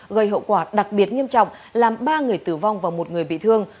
gây hậu quả đặc biệt nghiêm trọng làm ba người tử vong và một người bị thương